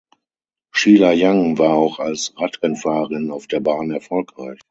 Sheila Young war auch als Radrennfahrerin auf der Bahn erfolgreich.